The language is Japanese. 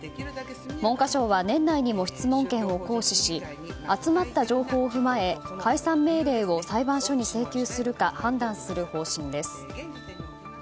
文科省は年内にも質問権を行使し集まった情報を踏まえ解散命令を裁判所に請求するか判断する方針です。